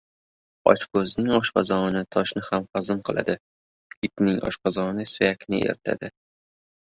• Ochko‘zning oshqozoni toshni ham hazm qiladi, itning oshqozoni suyakni eritadi.